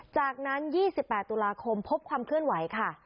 จากนั้นยี่สิบแปดตุลาคมพบความเคลื่อนไหวค่ะ